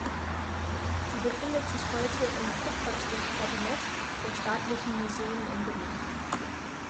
Sie befindet sich heute im Kupferstichkabinett der Staatlichen Museen in Berlin.